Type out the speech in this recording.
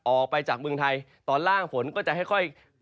ออกไปจากเมืองไทยตอนล่างฝนก็จะค่อย